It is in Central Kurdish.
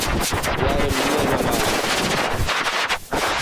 یارم نیە لە ماڵێ